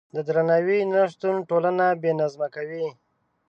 د درناوي نشتون ټولنه بې نظمه کوي.